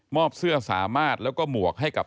เสื้อสามารถแล้วก็หมวกให้กับ